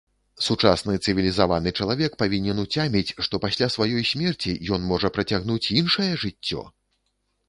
Сучасны цывілізаваны чалавек павінен уцяміць, што пасля сваёй смерці ён можа працягнуць іншае жыццё!